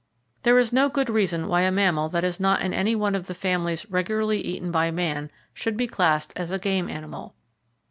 There is no good reason why a mammal that is not in any one of the families regularly eaten by man should be classed as a game animal.